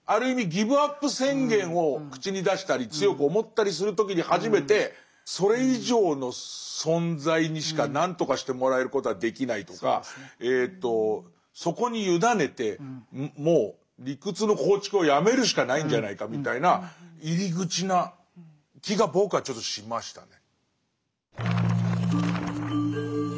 ギブアップ宣言を口に出したり強く思ったりする時に初めてそれ以上の存在にしか何とかしてもらえることはできないとかそこに委ねてもう理屈の構築をやめるしかないんじゃないかみたいな入り口な気が僕はちょっとしましたね。